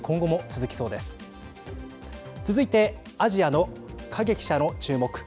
続いてアジアの影記者の注目。